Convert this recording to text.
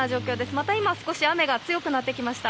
また今、少し雨が強くなってきました。